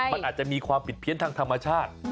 มันอาจจะมีความผิดเพี้ยนทางธรรมชาติ